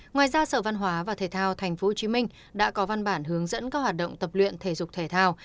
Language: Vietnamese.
ngoài ra sở văn hóa và thể thao tp hcm đã có văn bản hướng dẫn các hoạt động tập luyện thể dục thể thao